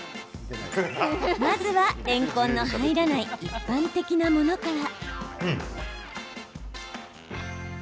まずは、れんこんの入らない一般的なものから。